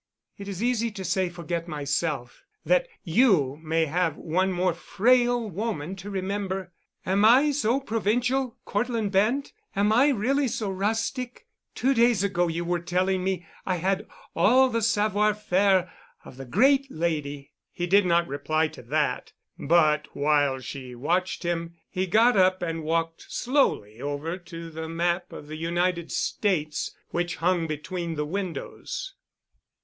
"It is easy to say forget myself, that you may have one more frail woman to remember. Am I so provincial, Cortland Bent? Am I really so rustic? Two days ago you were telling me I had all the savoir faire of the great lady." He did not reply to that, but, while she watched him, he got up and walked slowly over to the map of the United States which hung between the windows.